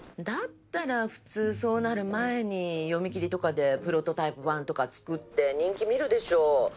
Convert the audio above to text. だったら普通そうなる前に読み切りとかでプロトタイプ版とか作って人気見るでしょう？